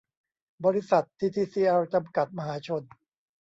บริษัท ทีทีซีแอล จำกัด มหาชน